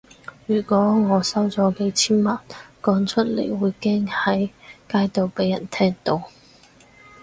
如果我收咗幾千萬，講出嚟會驚喺街度畀人聽到